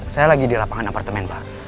saya lagi di lapangan apartemen pak